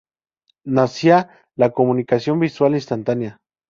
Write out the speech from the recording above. Nacía la comunicación visual instantánea.